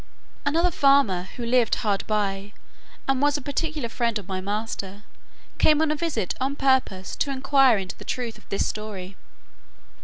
Another farmer, who lived hard by, and was a particular friend of my master, came on a visit on purpose to inquire into the truth of this story.